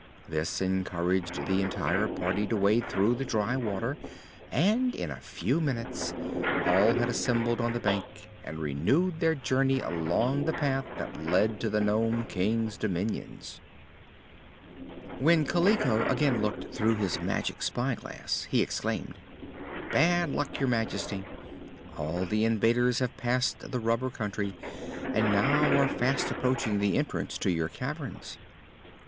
This encouraged the entire party to wade through the dry water, and in a few minutes all had assembled on the bank and renewed their journey along the path that led to the Nome King's dominions. When Kaliko again looked through his magic spyglass he exclaimed: "Bad luck, Your Majesty! All the invaders have passed the Rubber Country and now are fast approaching the entrance to your caverns."